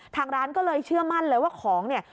ทางร้านก็เลยเชื่อมั่นเลยว่าของเนี่ย